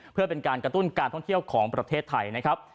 เพื่อเป็นการกระตุ้นการท่องเที่ยวของประเทศไทยนะครับ